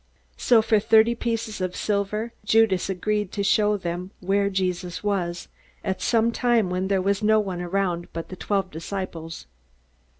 So for thirty pieces of silver Judas agreed to show them where Jesus was, at some time when there was no one around but the twelve disciples.